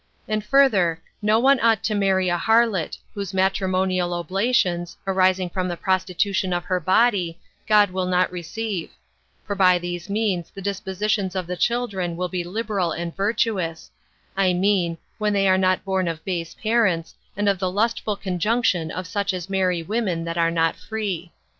And further, no one ought to marry a harlot, whose matrimonial oblations, arising from the prostitution of her body, God will not receive; for by these means the dispositions of the children will be liberal and virtuous; I mean, when they are not born of base parents, and of the lustful conjunction of such as marry women that are not free.